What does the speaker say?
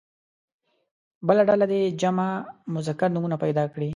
بله ډله دې جمع مذکر نومونه پیدا کړي.